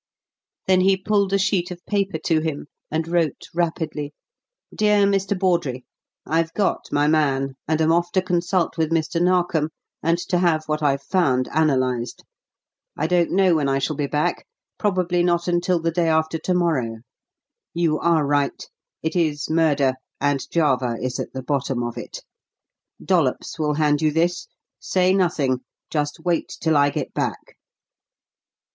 Then he pulled a sheet of paper to him and wrote rapidly: "DEAR MR. BAWDREY: "I've got my man, and am off to consult with Mr. Narkom and to have what I've found analysed. I don't know when I shall be back probably not until the day after to morrow. You are right. It is murder, and Java is at the bottom of it. Dollops will hand you this. Say nothing just wait till I get back."